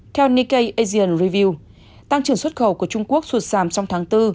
theo nikkei asian review tăng trưởng xuất khẩu của trung quốc xuất sàm trong tháng bốn